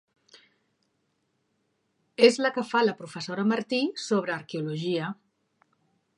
És la que fa la professora Martí, sobre arqueologia.